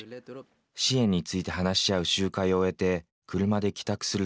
支援について話し合う集会を終えて車で帰宅する